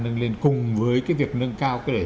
nâng lên cùng với cái việc nâng cao cái này